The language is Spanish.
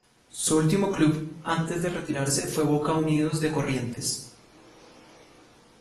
Su último club antes de retirarse fue Boca Unidos de Corrientes.